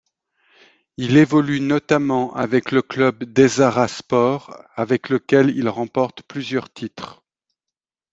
Il évolue notamment avec le club d'Ezzahra Sports, avec lequel il remporte plusieurs titres.